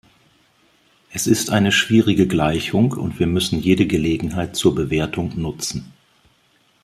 Es ist eine schwierige Gleichung, und wir müssen jede Gelegenheit zur Bewertung nutzen.